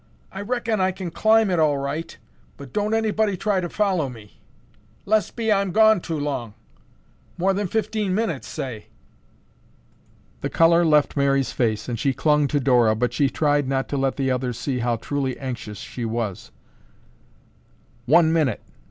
I reckon I can climb it all right, but don't anybody try to follow me, lest be I'm gone too long; more than fifteen minutes, say." The color left Mary's face and she clung to Dora, but she tried not to let the others see how truly anxious she was. "One minute."